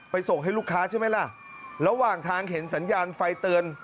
ส่งให้ลูกค้าใช่ไหมล่ะระหว่างทางเห็นสัญญาณไฟเตือน